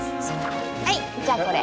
はいじゃあこれ。